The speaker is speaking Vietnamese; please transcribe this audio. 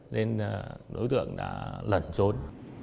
nên đối tượng đã lẩn trốn